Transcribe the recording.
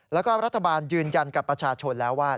แล้วก็รัฐบาลยืนยันกับประชาชนแล้วว่า